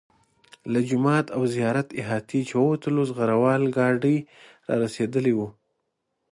له جومات او زیارت احاطې چې ووتلو زغره وال ګاډي را رسېدلي وو.